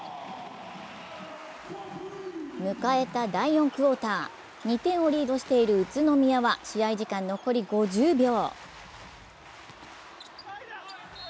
迎えた第４クオーター、２点をリードしている宇都宮は試合時間残り５０秒。